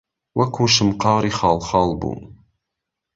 وەکو شمقاری خاڵخال بوو